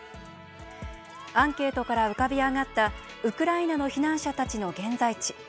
アンケートから浮かび上がったウクライナの避難者たちの現在地。